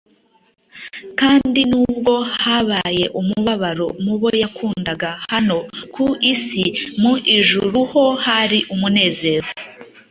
kandi nubwo habaye umubabaro mu bo yakundaga hano ku isi, mu ijuru ho hari umunezero.